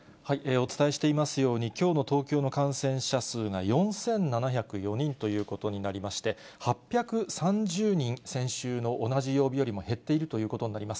お伝えしていますように、きょうの東京の感染者数が４７０４人ということになりまして、８３０人、先週の同じ曜日よりも減っているということになります。